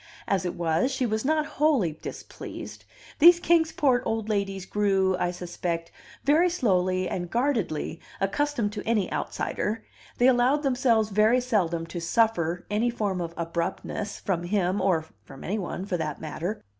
As it was, she was not wholly displeased. These Kings Port old ladies grew, I suspect, very slowly and guardedly accustomed to any outsider; they allowed themselves very seldom to suffer any form of abruptness from him, or from any one, for that matter.